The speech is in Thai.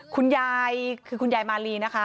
คุณยายคือคุณยายมาลีนะคะ